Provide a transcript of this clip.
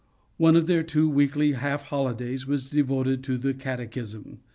One of their two weekly half holidays was devoted to the Catechism.